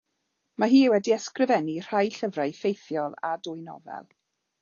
Mae hi wedi ysgrifennu rhai llyfrau ffeithiol, a dwy nofel.